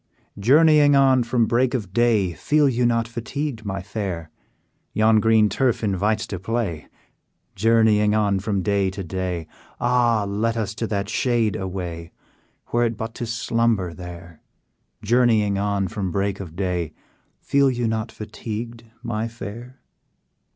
"Journeying on from break of day, Feel you not fatigued, my fair? Yon green turf invites to play; Journeying on from day to day, Ah! let us to that shade away, Were it but to slumber there! Journeying on from break of day, Feel you not fatigued, my fair?"